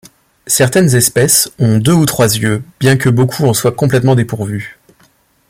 Certaines espèces ont deux ou trois yeux bien que beaucoup en soient complètement dépourvus.